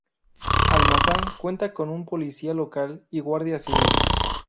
Almazán cuenta con policía local y guardia civil.